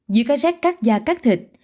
dưới cái rét cắt da cắt thịt